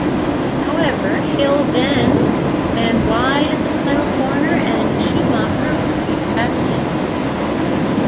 However, Hill then ran wide at the final corner and Schumacher repassed him.